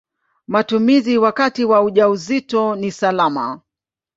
Matumizi wakati wa ujauzito ni salama.